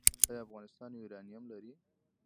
آیا افغانستان یورانیم لري؟